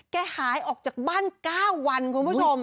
หายออกจากบ้าน๙วันคุณผู้ชม